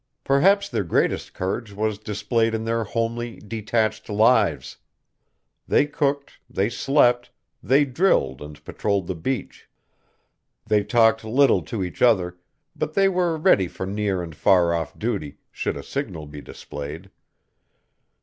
Perhaps their greatest courage was displayed in their homely, detached lives. They cooked; they slept; they drilled and patrolled the beach. They talked little to each other; but they were ready for near and far off duty, should a signal be displayed.